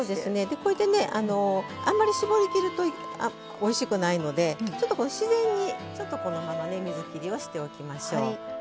これでねあまり絞りきるとおいしくないのでちょっと、自然に、このまま水切りをしておきましょう。